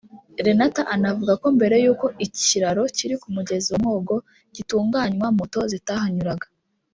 Lenata anavuga ko mbere y’uko ikiraro kiri ku mugezi wa Mwogo gitunganywa moto zitahanyuraga